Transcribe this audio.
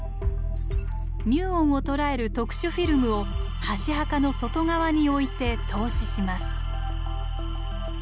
ミューオンを捉える特殊フィルムを箸墓の外側に置いて透視します。